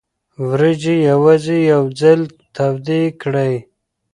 وریجې یوازې یو ځل تودې کړئ.